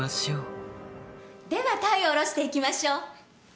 ではタイをおろしていきましょう。